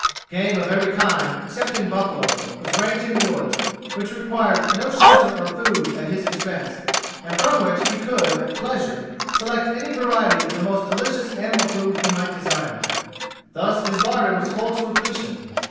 Game of every kind, excepting buffaloes, was ranging the woods, which required no shelter or food at his expense, and from which he could, at pleasure, select any variety of the most delicious animal food he might desire. Thus his larder was full to repletion.